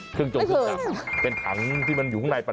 เครื่องจงขึ้นจังเป็นถังที่มันอยู่ข้างในปั่น